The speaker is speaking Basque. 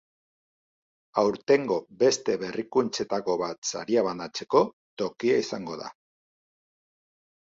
Aurtengo beste berrikuntzetako bat saria banatzeko tokia izango da.